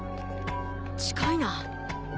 近いな。